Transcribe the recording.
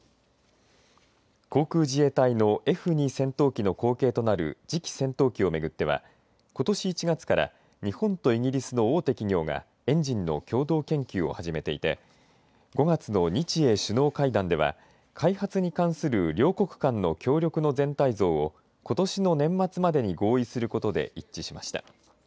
航空自衛隊のＦ２戦闘機の後継となる次期戦闘機をめぐってはことし１月から日本とイギリスの大手企業がエンジンの共同研究を始めていて５月の日英首脳会談では開発に関する両国間の協力の全体像をことしの年末までに合意することで一致しました。